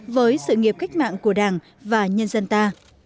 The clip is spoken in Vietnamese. với sự nghiệp cách mạng của đảng và nhân dân ta